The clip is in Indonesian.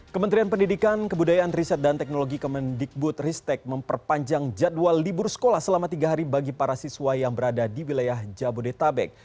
kementerian pendidikan kebudayaan riset dan teknologi kemendikbud ristek memperpanjang jadwal libur sekolah selama tiga hari bagi para siswa yang berada di wilayah jabodetabek